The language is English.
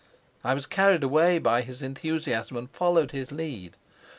I was carried away by his enthusiasm and followed his lead.